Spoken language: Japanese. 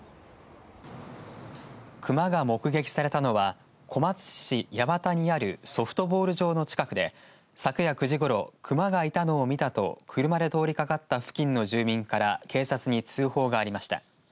熊が目撃されたのは小松市八幡にあるソフトボール場の近くで昨夜９時ごろ熊がいたのを見たと車で通りかかった付近の住民から警察に通報がありました。